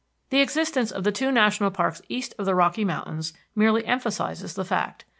The existence of the two national parks east of the Rocky Mountains merely emphasizes the fact.